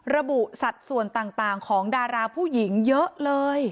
สัดส่วนต่างของดาราผู้หญิงเยอะเลย